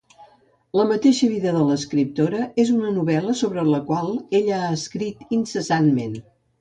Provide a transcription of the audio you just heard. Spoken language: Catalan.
La mateixa vida de l'escriptora és una novel·la sobre la qual ella ha escrit incessantment.